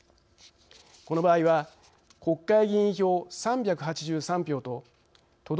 この場合は国会議員票３８３票と都道